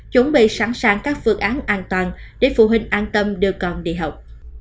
chuẩn bị sẵn sàng các phương án an toàn để phụ huynh an tâm đưa con đi học